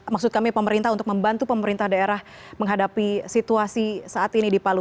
maksud kami pemerintah untuk membantu pemerintah daerah menghadapi situasi saat ini di palu